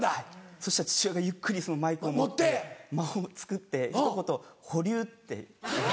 そしたら父親がゆっくりそのマイクを持って間をつくってひと言「保留」って。え！